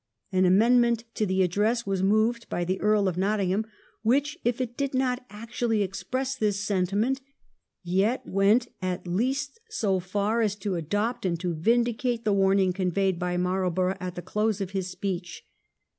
An amend ment to the address was moved by the Earl of Nottingham which, if it did not actually express this sentiment, yet went at least so far as to adopt and to vindicate the warning conveyed by Marlborough at the close of his speech.